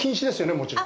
もちろん。